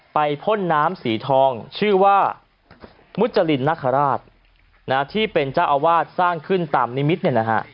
พ่นน้ำสีทองชื่อว่ามุจรินนคราชที่เป็นเจ้าอาวาสสร้างขึ้นตามนิมิตรเนี่ยนะฮะ